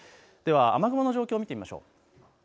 雨雲の状況、見てみましょう。